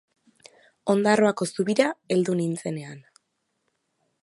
Ondarroako zubira heldu nintzenean.